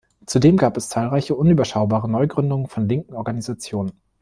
Zudem gab es zahlreiche, unüberschaubare Neugründungen von linken Organisationen.